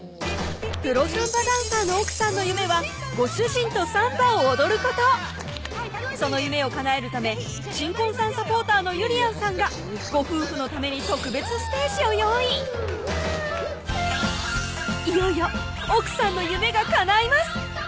プロサンバダンサーの奥さんの夢はご主人とサンバを踊ることその夢をかなえるため新婚さんサポーターのゆりやんさんがご夫婦のためにいよいよ奥さんの夢がかないます